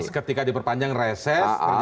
mas ketika diperpanjang reses terjadi seperti ini